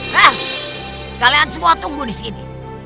nah kalian semua tunggu di sini